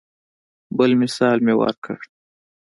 بل مثال مې ورکو.